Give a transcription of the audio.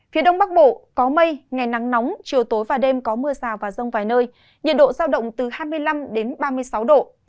phía đông bắc bộ có mây ngày nắng nóng chiều tối và đêm có mưa rào và rông vài nơi nhiệt độ giao động từ hai mươi năm ba mươi sáu độ